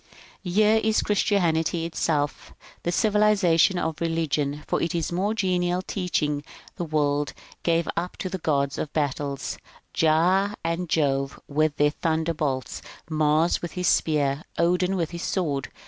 « Here is Christianity itself, the civilization of religion : for its more genial teaching the world gave up the gods of battles, — Jah and Jove with their thunderbolts. Mars with his spear, Odin with his sword.